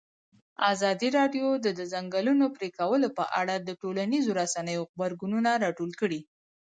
ازادي راډیو د د ځنګلونو پرېکول په اړه د ټولنیزو رسنیو غبرګونونه راټول کړي.